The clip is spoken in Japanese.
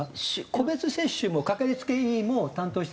個別接種もかかりつけ医も担当してるんですよ。